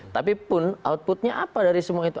tapi pun outputnya apa dari semua itu